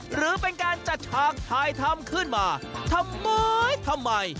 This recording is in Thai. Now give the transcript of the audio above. หรือเป็นการจัดฉากถ่ายทำขึ้นมาทำไมทำไม